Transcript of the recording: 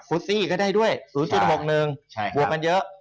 ฟุตซีก็ได้ด้วย๐๖๑บวกมาเยอะ